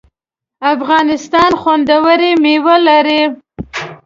افغانستان خوندوری میوی لري